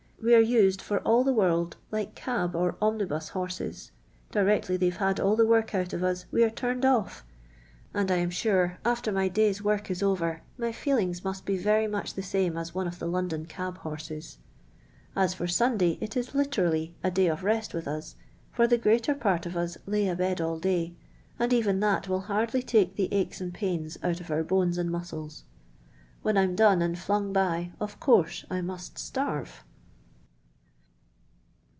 We are used for all the world like cab or omnibus horses. Directly they've had all the work out of us, we are turned off, and I am sure, after my day's work is over, my feel ings must be very much the same as one of the London cab horses. As for Sunday, it is literally a day of rest with us, for the greater part of us lay a bed all day, and even that will hardly take the aches and pains out of our bones and muscles. When I 'm done and fiung by, of course I must itarve."